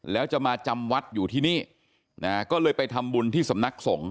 แล้วจะมาจำวัดอยู่ที่นี่นะฮะก็เลยไปทำบุญที่สำนักสงฆ